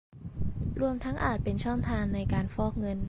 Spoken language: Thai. รวมทั้งอาจเป็นช่องทางในการฟอกเงิน